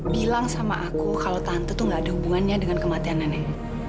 bilang sama aku kalau tante tuh gak ada hubungannya dengan kematian nenek